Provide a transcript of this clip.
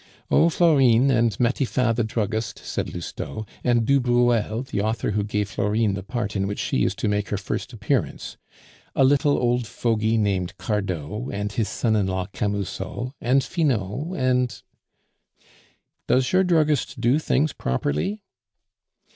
"Oh, Florine and Matifat the druggist," said Lousteau, "and du Bruel, the author who gave Florine the part in which she is to make her first appearance, a little old fogy named Cardot, and his son in law Camusot, and Finot, and " "Does your druggist do things properly?"